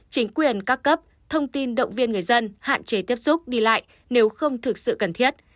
chính quyền các cấp thông tin động viên người dân hạn chế tiếp xúc đi lại nếu không thực sự cần thiết